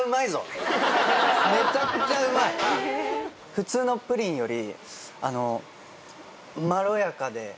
普通のプリンより。